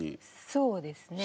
そうですね。